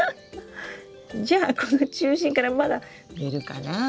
じゃあこの中心からまだ出るかなぁ？